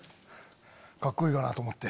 カッコいいかなと思って。